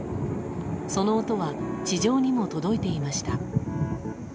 その音は地上にも届いていました。